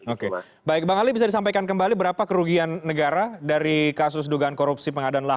oke baik bang ali bisa disampaikan kembali berapa kerugian negara dari kasus dugaan korupsi pengadaan lahan